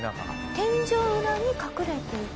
天井裏に隠れていた。